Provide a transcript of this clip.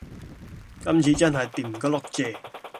今次真係掂過碌蔗